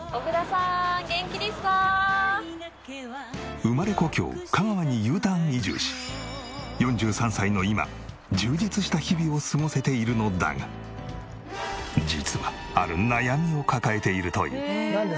生まれ故郷香川にＵターン移住し４３歳の今充実した日々を過ごせているのだが実はある悩みを抱えているという。